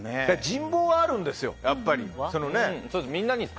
人望はあるんですよ、やっぱり。